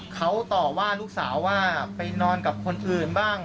เขาต่อว่าลูกสาวว่าไปนอนกับคนอื่นบ้าง